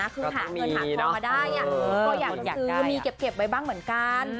คือหาเงินหาทองมาได้ก็อยากจะซื้อมีเก็บไว้บ้างเหมือนกัน